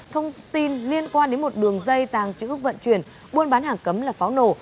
thông tin liên quan đến một đường dây tàng chữ vận chuyển buôn bán hàng cấm là pháo nổ